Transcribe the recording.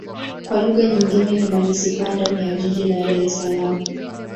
Kwa lugha nyingine ni manisipaa ndani ya jiji la Dar Es Salaam.